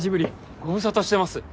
ご無沙汰してます！